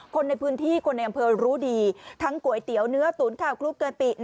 คนในพื้นที่คนในอำเภอรู้ดีทั้งก๋วยเตี๋ยวเนื้อตุ๋นข้าวกลุกกะปิ